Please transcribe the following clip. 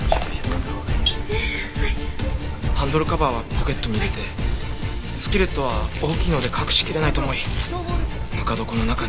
ハンドルカバーはポケットに入れてスキレットは大きいので隠しきれないと思いぬか床の中に。